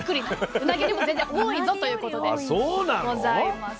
うなぎよりも全然多いぞということでございます。